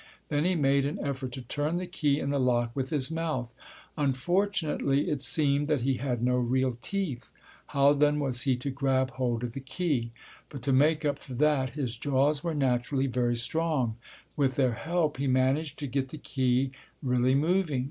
Then he made an effort to turn the key in the lock with his mouth. Unfortunately it seemed that he had no real teeth. How then was he to grab hold of the key? But to make up for that his jaws were naturally very strong; with their help he managed to get the key really moving.